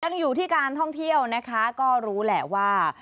ยังอยู่ที่การท่องเที่ยวนะคะก็รู้แหละว่า